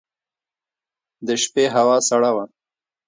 د شپې هوا سړه وه.